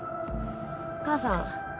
母さん。